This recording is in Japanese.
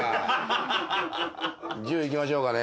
１０いきましょうかね。